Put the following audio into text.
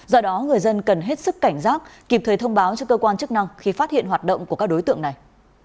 do đó người dân cần hết sức cảnh giác kịp thời thông báo cho cơ quan chức năng khi phát hiện hoạt động của các đối tượng này